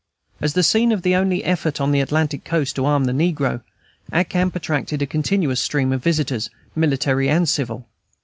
As the scene of the only effort on the Atlantic coast to arm the negro, our camp attracted a continuous stream of visitors, military and civil.